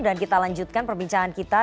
dan kita lanjutkan perbincangan kita